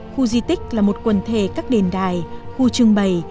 khu di tích là một quần thể các đền đài khu trưng bày